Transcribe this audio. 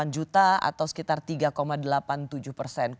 delapan juta atau sekitar tiga delapan puluh tujuh persen